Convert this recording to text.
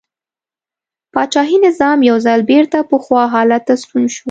پاچاهي نظام یو ځل بېرته پخوا حالت ته ستون شو.